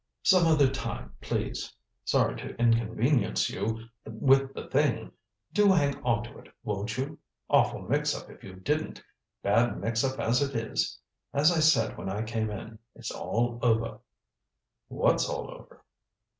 "Some other time, please. Sorry to inconvenience you with the thing. Do hang on to it, won't you? Awful mix up if you didn't. Bad mix up as it is. As I said when I came in, it's all over." "What's all over?"